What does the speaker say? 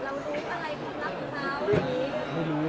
ทำรูปอะไรคุณรักของเค้า